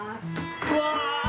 うわ！